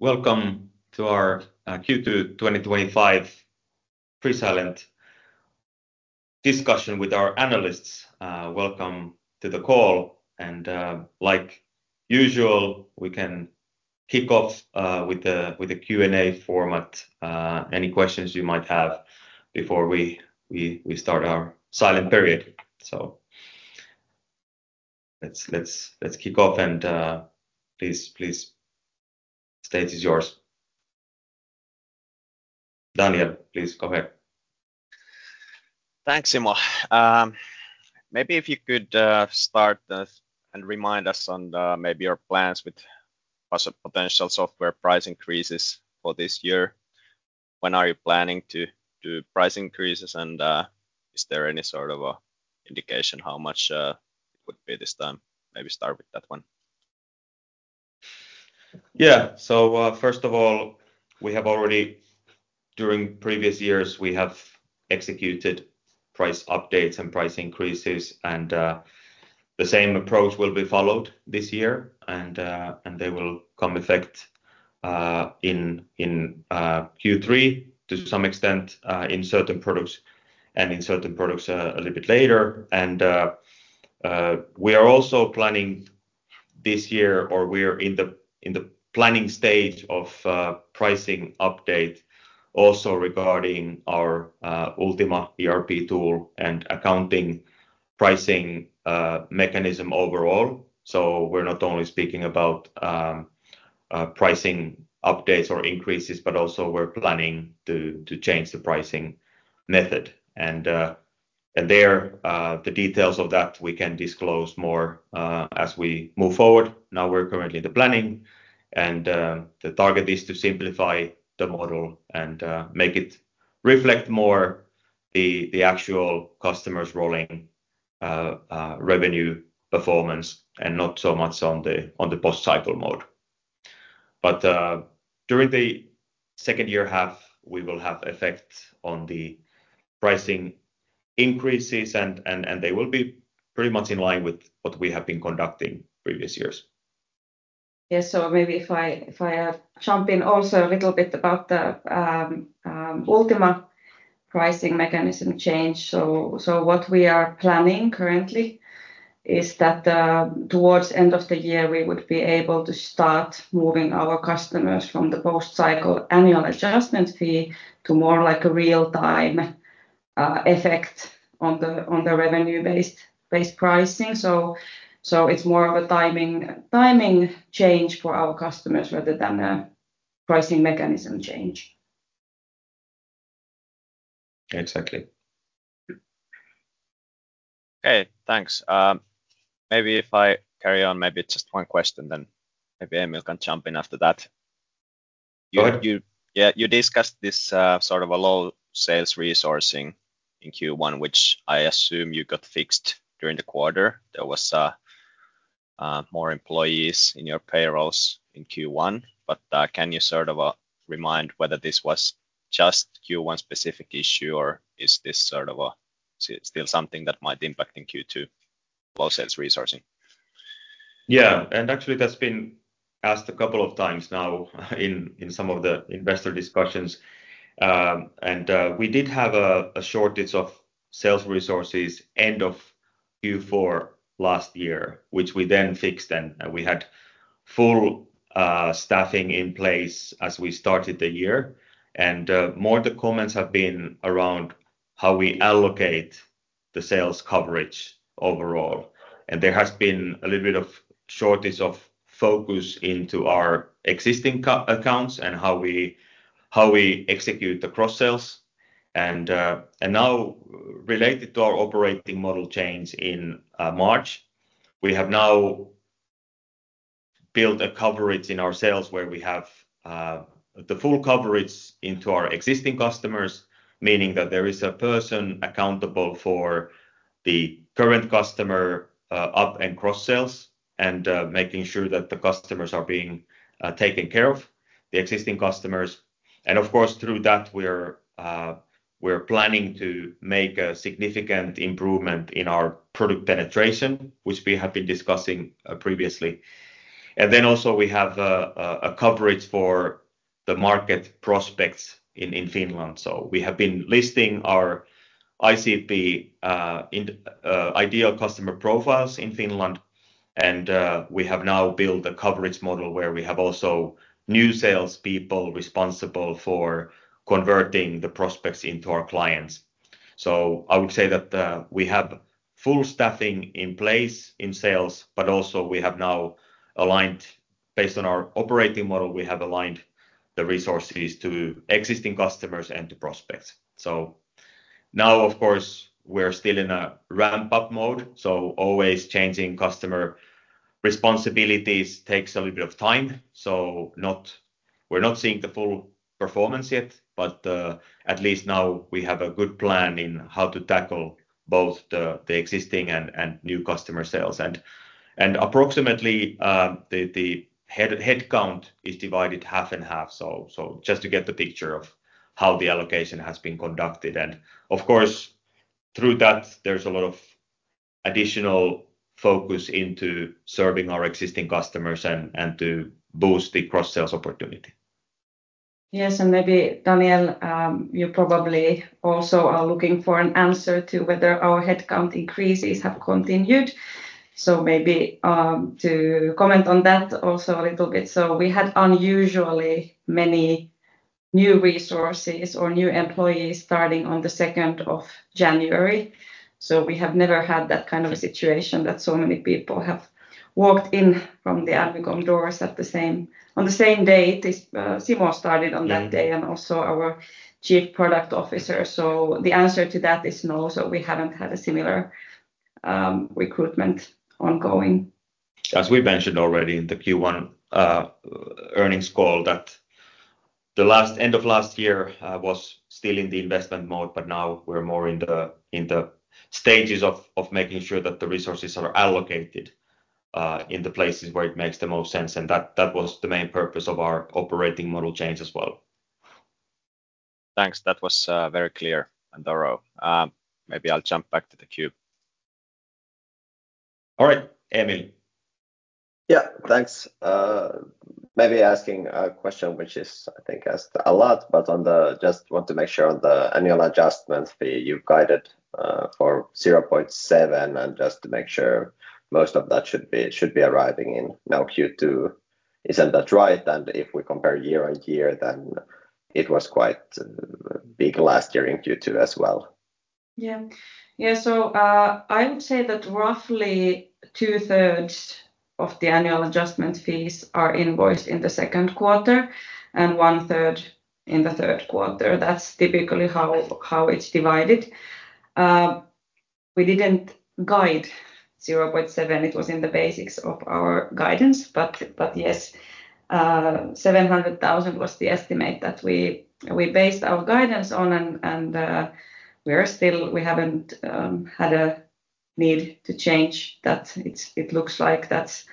Welcome to our Q2 2025 Pre-Silent discussion with our analysts. Welcome to the call, and like usual, we can kick off with a Q&A format. Any questions you might have before we start our silent period? Let's kick off, and please, stage is yours. Daniel, please go ahead. Thanks, Simo. Maybe if you could start and remind us on maybe your plans with potential software price increases for this year. When are you planning to do price increases, and is there any sort of indication how much it would be this time? Maybe start with that one. Yeah, first of all, we have already, during previous years, executed price updates and price increases, and the same approach will be followed this year, and they will come into effect in Q3 to some extent in certain products and in certain products a little bit later. We are also planning this year, or we are in the planning stage of pricing update also regarding our Ultima ERP tool and accounting pricing mechanism overall. We're not only speaking about pricing updates or increases, but also we're planning to change the pricing method. The details of that we can disclose more as we move forward. Now we're currently in the planning, and the target is to simplify the model and make it reflect more the actual customers' rolling revenue performance and not so much on the post-cycle mode. During the second year half, we will have effect on the pricing increases, and they will be pretty much in line with what we have been conducting previous years. Yeah, so maybe if I jump in also a little bit about the Ultima pricing mechanism change. What we are planning currently is that towards the end of the year, we would be able to start moving our customers from the post-cycle annual adjustment fee to more like a real-time effect on the revenue-based pricing. It is more of a timing change for our customers rather than a pricing mechanism change. Exactly. Okay, thanks. Maybe if I carry on, maybe just one question, then maybe Emil can jump in after that. You discussed this sort of low sales resourcing in Q1, which I assume you got fixed during the quarter. There were more employees in your payrolls in Q1, but can you sort of remind whether this was just a Q1-specific issue, or is this sort of still something that might impact in Q2, low sales resourcing? Yeah, actually that's been asked a couple of times now in some of the investor discussions. We did have a shortage of sales resources end of Q4 last year, which we then fixed, and we had full staffing in place as we started the year. More the comments have been around how we allocate the sales coverage overall. There has been a little bit of shortage of focus into our existing accounts and how we execute the cross-sales. Now, related to our operating model change in March, we have now built a coverage in our sales where we have the full coverage into our existing customers, meaning that there is a person accountable for the current customer up and cross-sales and making sure that the customers are being taken care of, the existing customers. Of course, through that, we are planning to make a significant improvement in our product penetration, which we have been discussing previously. Also, we have a coverage for the market prospects in Finland. We have been listing our ICP, ideal customer profiles, in Finland, and we have now built a coverage model where we have also new salespeople responsible for converting the prospects into our clients. I would say that we have full staffing in place in sales, but also we have now aligned, based on our operating model, the resources to existing customers and to prospects. Now, of course, we're still in a ramp-up mode, so always changing customer responsibilities takes a little bit of time. We're not seeing the full performance yet, but at least now we have a good plan in how to tackle both the existing and new customer sales. Approximately the headcount is divided half and half, just to get the picture of how the allocation has been conducted. Of course, through that, there's a lot of additional focus into serving our existing customers and to boost the cross-sales opportunity. Yes, and maybe Daniel, you probably also are looking for an answer to whether our headcount increases have continued. Maybe to comment on that also a little bit. We had unusually many new resources or new employees starting on the 2nd of January. We have never had that kind of a situation that so many people have walked in from the Admicom doors on the same day. Simo started on that day and also our Chief Product Officer. The answer to that is no, we haven't had a similar recruitment ongoing. As we mentioned already in the Q1 earnings call, the end of last year was still in the investment mode, but now we're more in the stages of making sure that the resources are allocated in the places where it makes the most sense. That was the main purpose of our operating model change as well. Thanks, that was very clear and thorough. Maybe I'll jump back to the Q. All right, Emil. Yeah, thanks. Maybe asking a question which is, I think, asked a lot, but just want to make sure on the annual adjustment fee you guided for 0.7 and just to make sure most of that should be arriving in now Q2. Isn't that right? If we compare year on year, then it was quite big last year in Q2 as well. Yeah, yeah, I would say that roughly two-thirds of the annual adjustment fees are invoiced in the second quarter and one-third in the third quarter. That's typically how it's divided. We didn't guide 0.7. It was in the basics of our guidance, but yes, 700,000 was the estimate that we based our guidance on, and we haven't had a need to change that. It looks like that's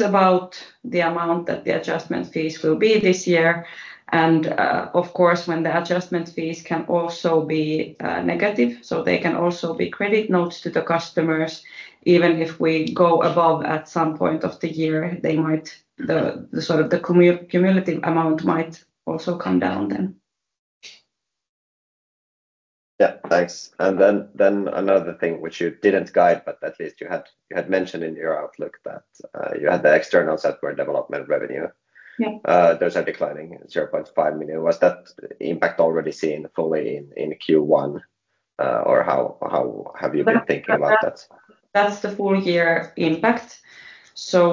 about the amount that the adjustment fees will be this year. Of course, the adjustment fees can also be negative, so they can also be credit notes to the customers. Even if we go above at some point of the year, the sort of cumulative amount might also come down then. Yeah, thanks. Another thing which you did not guide, but at least you had mentioned in your outlook that you had the external software development revenue. Those are declining 0.5 million. Was that impact already seen fully in Q1, or how have you been thinking about that? That's the full-year impact.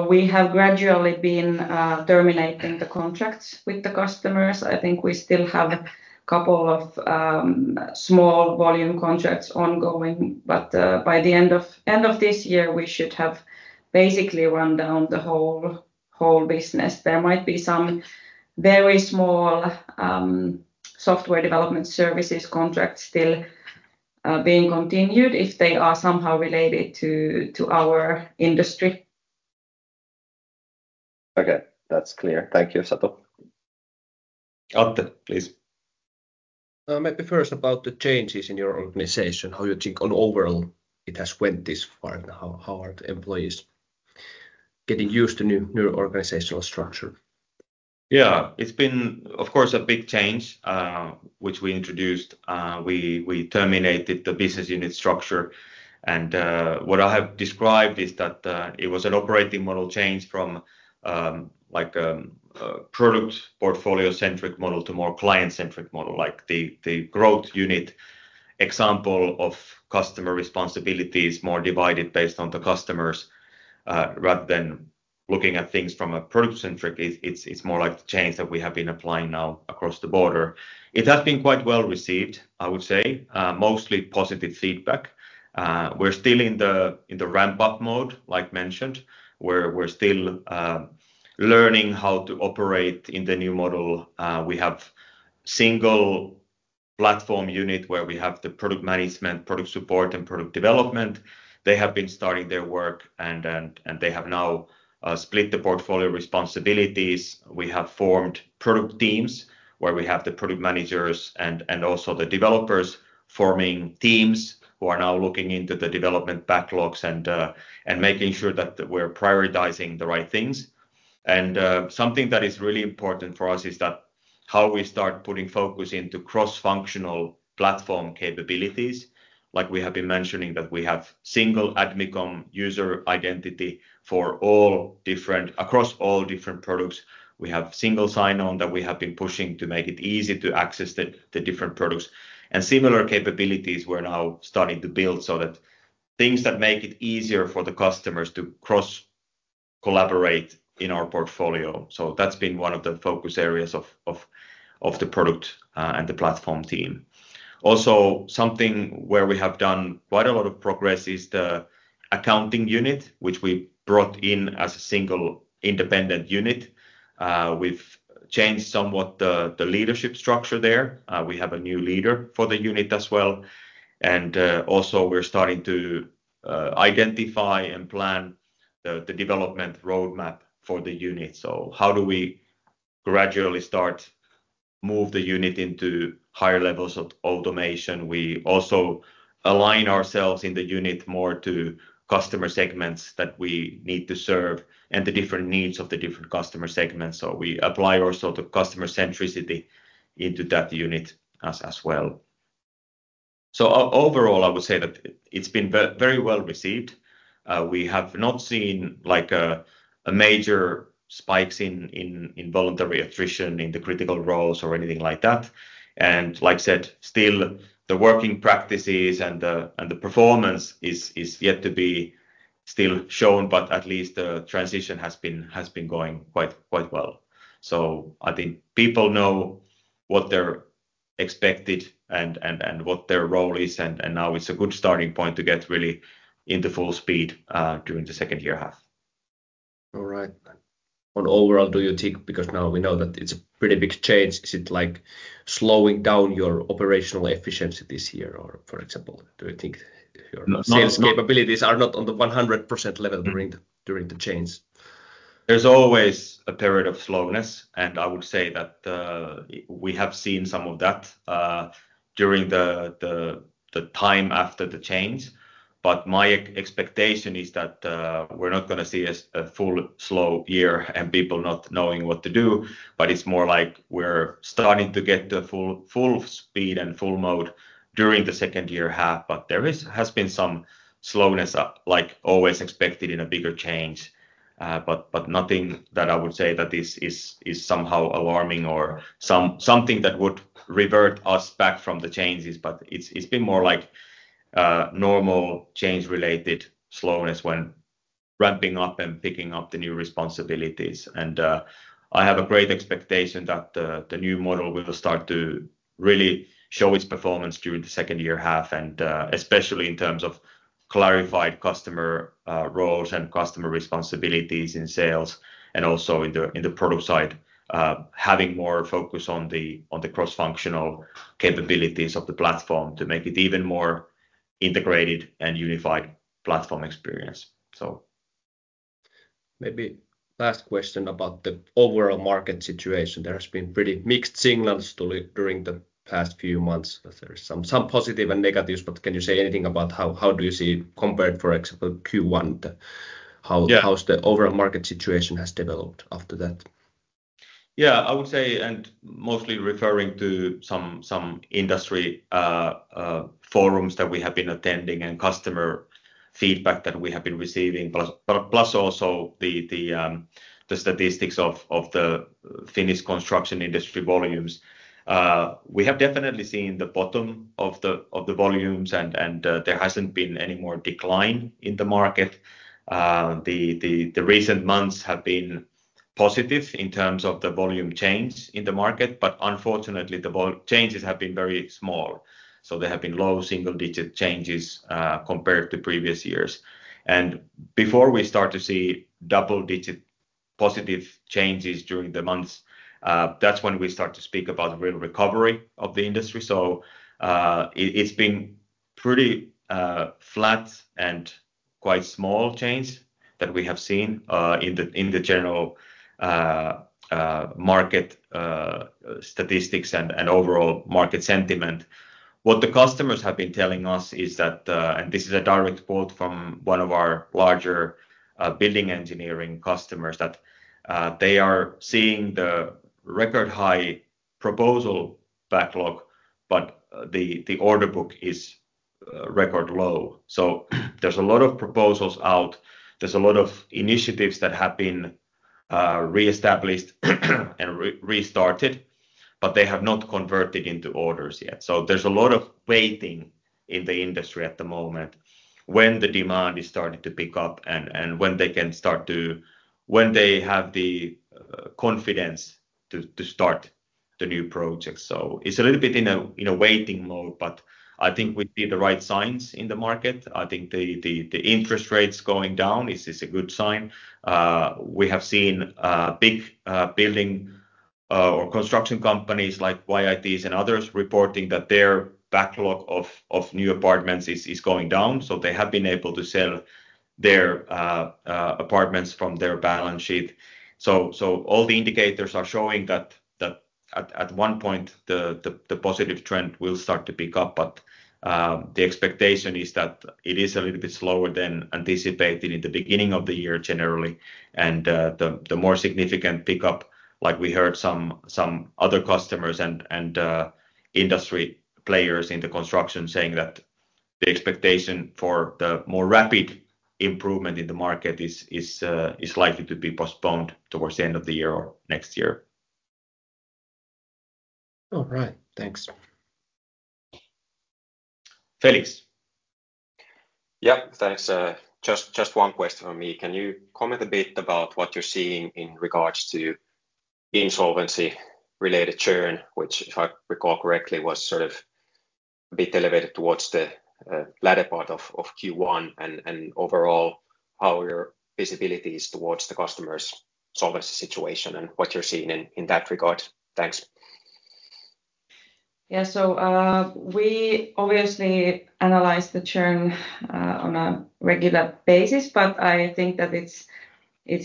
We have gradually been terminating the contracts with the customers. I think we still have a couple of small volume contracts ongoing, but by the end of this year, we should have basically run down the whole business. There might be some very small software development services contracts still being continued if they are somehow related to our industry. Okay, that's clear. Thank you, Satu. Atte, please. Maybe first about the changes in your organization, how you think overall it has went this far, and how are the employees getting used to the new organizational structure? Yeah, it's been, of course, a big change which we introduced. We terminated the business unit structure, and what I have described is that it was an operating model change from a product portfolio-centric model to a more client-centric model. The growth unit example of customer responsibility is more divided based on the customers rather than looking at things from a product-centric. It's more like the change that we have been applying now across the border. It has been quite well received, I would say, mostly positive feedback. We're still in the ramp-up mode, like mentioned, where we're still learning how to operate in the new model. We have a single platform unit where we have the product management, product support, and product development. They have been starting their work, and they have now split the portfolio responsibilities. We have formed product teams where we have the product managers and also the developers forming teams who are now looking into the development backlogs and making sure that we're prioritizing the right things. Something that is really important for us is that how we start putting focus into cross-functional platform capabilities. Like we have been mentioning that we have single Admicom user identity for across all different products. We have single sign-on that we have been pushing to make it easy to access the different products. Similar capabilities we're now starting to build so that things that make it easier for the customers to cross-collaborate in our portfolio. That's been one of the focus areas of the product and the platform team. Also, something where we have done quite a lot of progress is the accounting unit, which we brought in as a single independent unit. We've changed somewhat the leadership structure there. We have a new leader for the unit as well. We are starting to identify and plan the development roadmap for the unit. How do we gradually start to move the unit into higher levels of automation? We also align ourselves in the unit more to customer segments that we need to serve and the different needs of the different customer segments. We apply also the customer centricity into that unit as well. Overall, I would say that it's been very well received. We have not seen major spikes in voluntary attrition in the critical roles or anything like that. Like I said, still the working practices and the performance is yet to be still shown, but at least the transition has been going quite well. I think people know what they're expected and what their role is. Now it's a good starting point to get really into full speed during the second year half. All right. On overall, do you think, because now we know that it's a pretty big change, is it like slowing down your operational efficiency this year, or for example, do you think your sales capabilities are not on the 100% level during the change? is always a period of slowness, and I would say that we have seen some of that during the time after the change. My expectation is that we are not going to see a full slow year and people not knowing what to do, but it is more like we are starting to get to full speed and full mode during the second year half. There has been some slowness, like always expected in a bigger change, but nothing that I would say is somehow alarming or something that would revert us back from the changes. It has been more like normal change-related slowness when ramping up and picking up the new responsibilities. I have a great expectation that the new model will start to really show its performance during the second year half, and especially in terms of clarified customer roles and customer responsibilities in sales and also in the product side, having more focus on the cross-functional capabilities of the platform to make it even more integrated and unified platform experience. Maybe last question about the overall market situation. There has been pretty mixed signals during the past few months. There are some positives and negatives, but can you say anything about how do you see compared, for example, Q1, how the overall market situation has developed after that? Yeah, I would say, and mostly referring to some industry forums that we have been attending and customer feedback that we have been receiving, plus also the statistics of the Finnish construction industry volumes, we have definitely seen the bottom of the volumes, and there has not been any more decline in the market. The recent months have been positive in terms of the volume change in the market, but unfortunately, the changes have been very small. There have been low single-digit changes compared to previous years. Before we start to see double-digit positive changes during the months, that is when we start to speak about real recovery of the industry. It has been pretty flat and quite small change that we have seen in the general market statistics and overall market sentiment. What the customers have been telling us is that, and this is a direct quote from one of our larger building engineering customers, that they are seeing the record high proposal backlog, but the order book is record low. There is a lot of proposals out. There is a lot of initiatives that have been reestablished and restarted, but they have not converted into orders yet. There is a lot of waiting in the industry at the moment when the demand is starting to pick up and when they can start to, when they have the confidence to start the new projects. It is a little bit in a waiting mode, but I think we see the right signs in the market. I think the interest rates going down is a good sign. We have seen big building or construction companies like YIT and others reporting that their backlog of new apartments is going down. They have been able to sell their apartments from their balance sheet. All the indicators are showing that at one point the positive trend will start to pick up, but the expectation is that it is a little bit slower than anticipated in the beginning of the year generally. The more significant pickup, like we heard some other customers and industry players in the construction saying, is that the expectation for the more rapid improvement in the market is likely to be postponed towards the end of the year or next year. All right, thanks. Felix. Yeah, thanks. Just one question from me. Can you comment a bit about what you're seeing in regards to insolvency-related churn, which, if I recall correctly, was sort of a bit elevated towards the latter part of Q1 and overall how your visibility is towards the customers' solvency situation and what you're seeing in that regard? Thanks. Yeah, we obviously analyze the churn on a regular basis, but I think that it's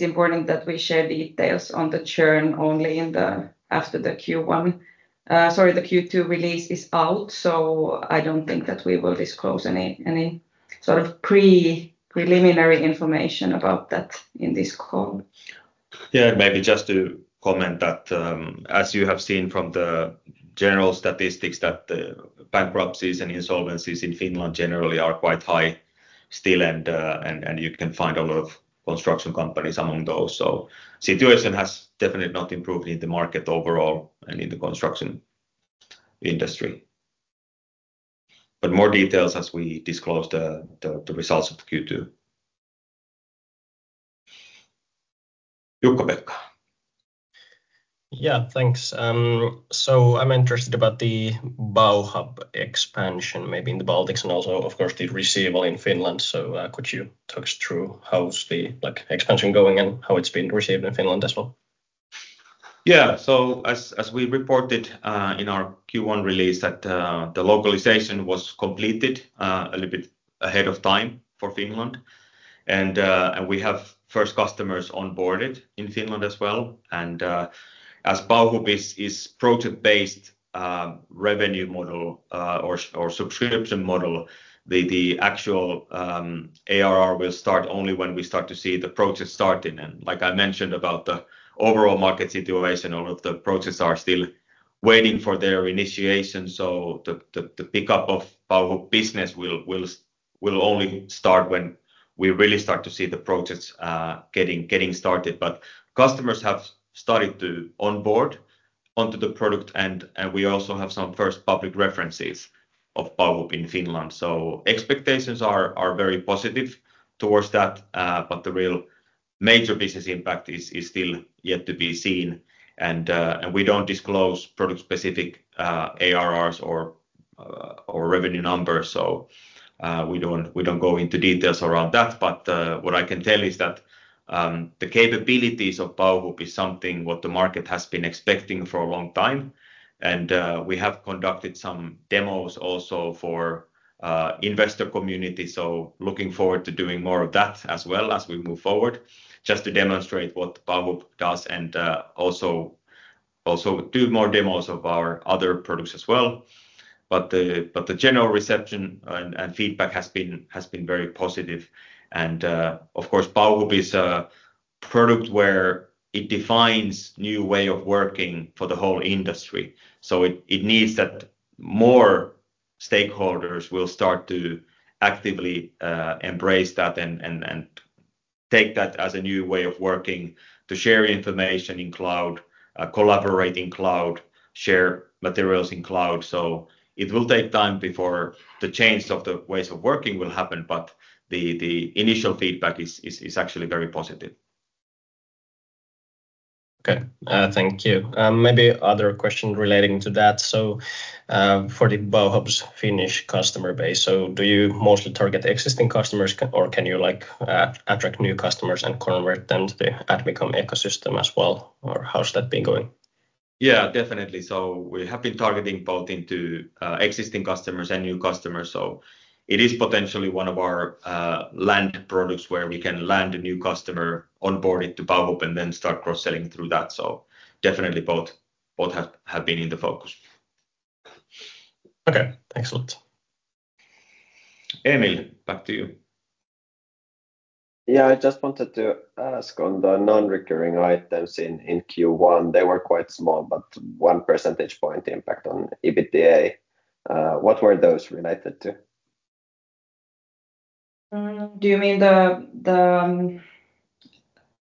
important that we share details on the churn only after the Q1, sorry, the Q2 release is out. I don't think that we will disclose any sort of preliminary information about that in this call. Yeah, maybe just to comment that as you have seen from the general statistics that the bankruptcies and insolvencies in Finland generally are quite high still, and you can find a lot of construction companies among those. The situation has definitely not improved in the market overall and in the construction industry. More details as we disclose the results of Q2. Jukka-Pekka. Yeah, thanks. I'm interested about the Bauhub expansion maybe in the Baltics and also, of course, the receival in Finland. Could you talk us through how's the expansion going and how it's been received in Finland as well? Yeah, as we reported in our Q1 release, the localization was completed a little bit ahead of time for Finland. We have first customers onboarded in Finland as well. As Bauhub is a project-based revenue model or subscription model, the actual ARR will start only when we start to see the project starting. Like I mentioned about the overall market situation, all of the projects are still waiting for their initiation. The pickup of Bauhub business will only start when we really start to see the projects getting started. Customers have started to onboard onto the product. We also have some first public references of Bauhub in Finland. Expectations are very positive towards that, but the real major business impact is still yet to be seen. We do not disclose product-specific ARRs or revenue numbers. We don't go into details around that. What I can tell is that the capabilities of Bauhub is something what the market has been expecting for a long time. We have conducted some demos also for the investor community. Looking forward to doing more of that as we move forward, just to demonstrate what Bauhub does and also do more demos of our other products as well. The general reception and feedback has been very positive. Of course, Bauhub is a product where it defines a new way of working for the whole industry. It needs that more stakeholders will start to actively embrace that and take that as a new way of working to share information in cloud, collaborate in cloud, share materials in cloud. It will take time before the change of the ways of working will happen, but the initial feedback is actually very positive. Okay, thank you. Maybe other question relating to that. For the Bauhub's Finnish customer base, do you mostly target existing customers or can you attract new customers and convert them to the Admicom ecosystem as well? How's that been going? Yeah, definitely. We have been targeting both into existing customers and new customers. It is potentially one of our land products where we can land a new customer, onboard it to Bauhub, and then start cross-selling through that. Definitely both have been in the focus. Okay, excellent. Emil, back to you. Yeah, I just wanted to ask on the non-recurring items in Q1. They were quite small, but one percentage point impact on EBITDA. What were those related to? Do you mean the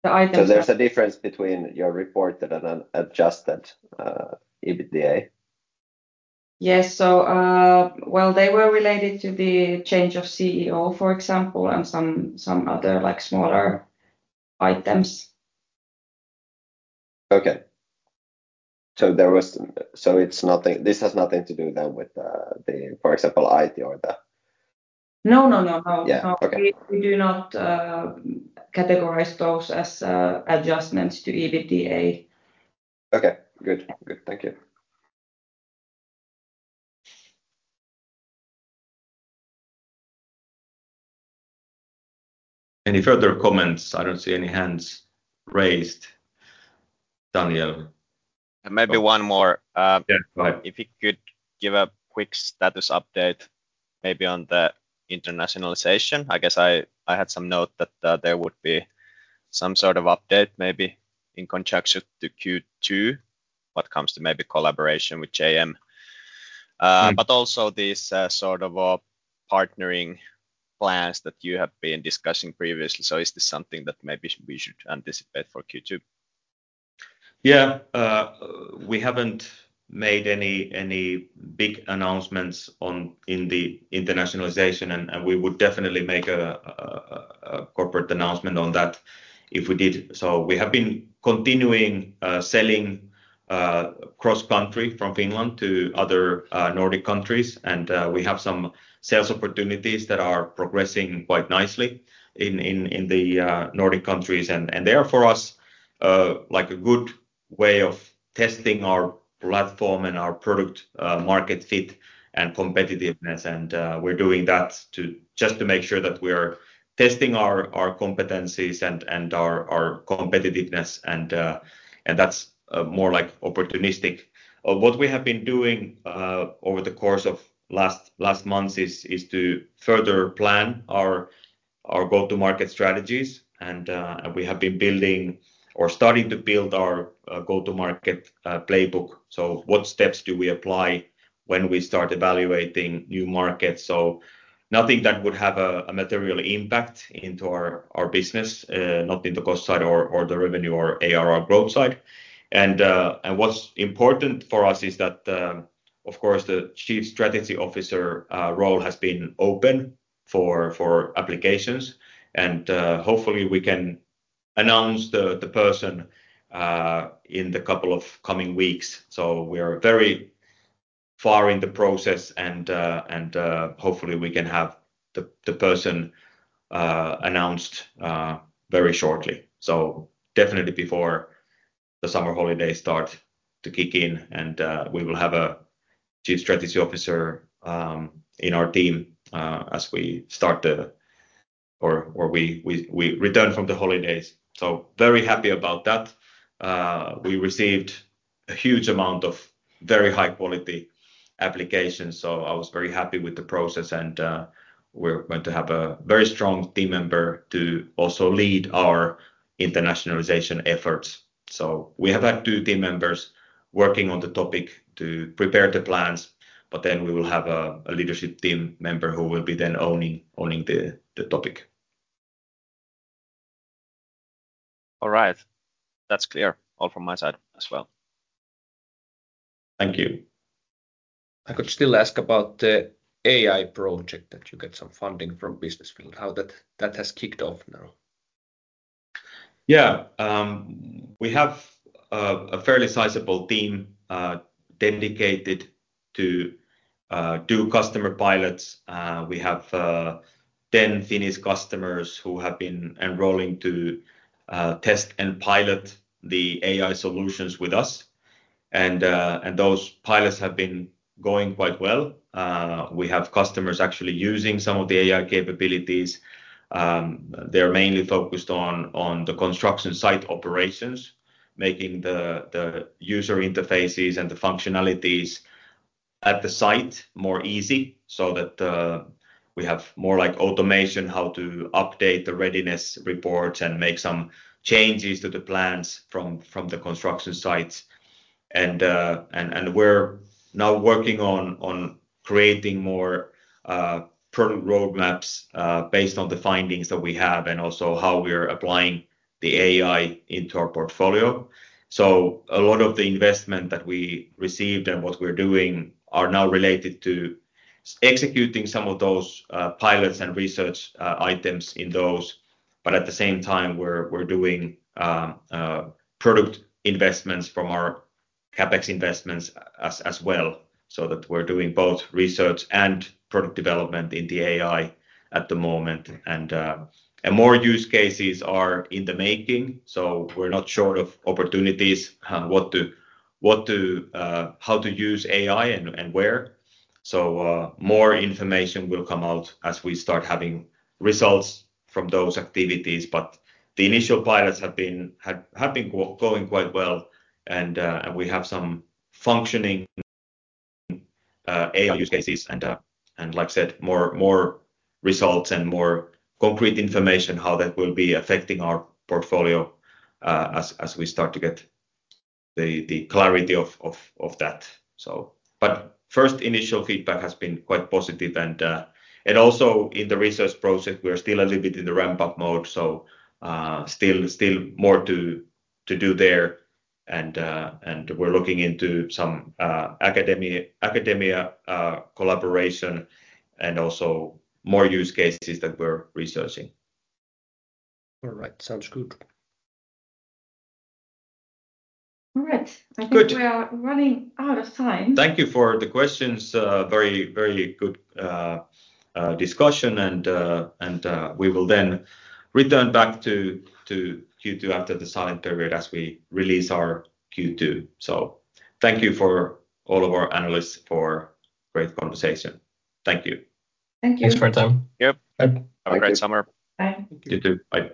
items? There's a difference between your reported and adjusted EBITDA? Yes. They were related to the change of CEO, for example, and some other smaller items. Okay. This has nothing to do then with the, for example, IT or the? No, no, no. We do not categorize those as adjustments to EBITDA. Okay, good. Good. Thank you. Any further comments? I don't see any hands raised. Daniel? Maybe one more. If you could give a quick status update maybe on the internationalization. I guess I had some note that there would be some sort of update maybe in conjunction to Q2 what comes to maybe collaboration with JM. Also these sort of partnering plans that you have been discussing previously. Is this something that maybe we should anticipate for Q2? Yeah, we haven't made any big announcements in the internationalization, and we would definitely make a corporate announcement on that if we did. We have been continuing selling cross-country from Finland to other Nordic countries, and we have some sales opportunities that are progressing quite nicely in the Nordic countries. They are for us like a good way of testing our platform and our product market fit and competitiveness. We are doing that just to make sure that we are testing our competencies and our competitiveness, and that's more like opportunistic. What we have been doing over the course of last months is to further plan our go-to-market strategies, and we have been building or starting to build our go-to-market playbook. What steps do we apply when we start evaluating new markets? Nothing that would have a material impact into our business, not in the cost side or the revenue or ARR growth side. What's important for us is that, of course, the Chief Strategy Officer role has been open for applications, and hopefully we can announce the person in the couple of coming weeks. We are very far in the process, and hopefully we can have the person announced very shortly. Definitely before the summer holidays start to kick in, and we will have a Chief Strategy Officer in our team as we start or we return from the holidays. Very happy about that. We received a huge amount of very high-quality applications, so I was very happy with the process, and we're going to have a very strong team member to also lead our internationalization efforts. We have had two team members working on the topic to prepare the plans, but then we will have a leadership team member who will be then owning the topic. All right. That's clear all from my side as well. Thank you. I could still ask about the AI project that you get some funding from Business Finland, how that has kicked off now. Yeah, we have a fairly sizable team dedicated to do customer pilots. We have 10 Finnish customers who have been enrolling to test and pilot the AI solutions with us. Those pilots have been going quite well. We have customers actually using some of the AI capabilities. They're mainly focused on the construction site operations, making the user interfaces and the functionalities at the site more easy so that we have more automation how to update the readiness reports and make some changes to the plans from the construction sites. We're now working on creating more current roadmaps based on the findings that we have and also how we're applying the AI into our portfolio. A lot of the investment that we received and what we're doing are now related to executing some of those pilots and research items in those. At the same time, we're doing product investments from our CapEx investments as well so that we're doing both research and product development in the AI at the moment. More use cases are in the making, so we're not short of opportunities on how to use AI and where. More information will come out as we start having results from those activities. The initial pilots have been going quite well, and we have some functioning AI use cases. Like I said, more results and more concrete information how that will be affecting our portfolio as we start to get the clarity of that. The first initial feedback has been quite positive. Also in the research project, we are still a little bit in the ramp-up mode, so still more to do there. We're looking into some academia collaboration and also more use cases that we're researching. All right, sounds good. All right. I think we are running out of time. Thank you for the questions. Very good discussion, and we will then return back to Q2 after the silent period as we release our Q2. Thank you for all of our analysts for great conversation. Thank you. Thank you. Thanks for your time. Yep. Have a great summer. Bye. You too. Bye.